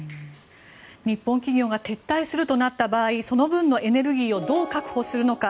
日本企業が撤退するとなった場合その分のエネルギーをどう確保するのか。